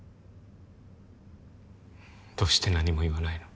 どうして何も言わないの？